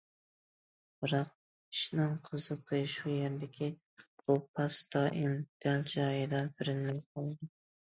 بىراق، ئىشىنىڭ قىزىقى شۇ يەردىكى، بۇ« پاس» دائىم دەل جايىدا بېرىلمەي قالىدۇ.